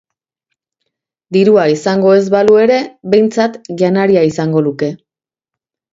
Dirua izango ez balu ere behintzat janaria izango luke.